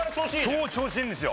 今日調子いいんですよ。